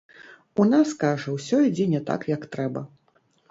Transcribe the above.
У нас, кажа, усё ідзе не так, як трэба.